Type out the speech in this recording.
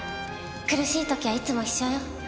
苦しい時はいつも一緒よ。